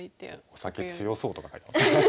「お酒強そう」とか書いて。